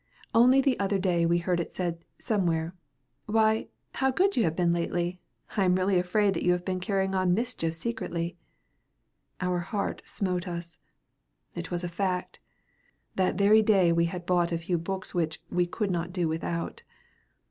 Only the other day we heard it said, somewhere, "Why, how good you have been lately. I am really afraid that you have been carrying on mischief secretly." Our heart smote us. It was a fact. That very day we had bought a few books which "we could not do without."